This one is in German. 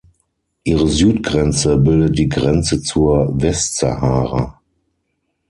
Ihre Südgrenze bildet die Grenze zur Westsahara.